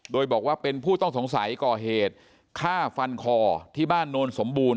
โดยบอกว่าเป็นผู้ต้องสงสัยก่อเหตุฆ่าฟันคอที่บ้านโนนสมบูรณ